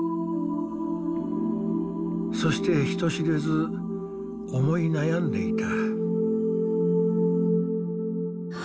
そして人知れず思い悩んでいた。